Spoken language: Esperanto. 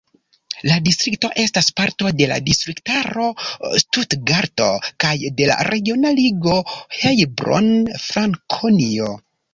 La distrikto estas parto de la distriktaro Stutgarto kaj de la regiona ligo Heilbronn-Frankonio.